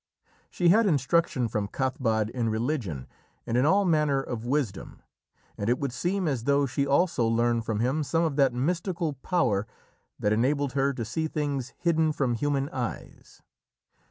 She had instruction from Cathbad in religion and in all manner of wisdom, and it would seem as though she also learned from him some of that mystical power that enabled her to see things hidden from human eyes.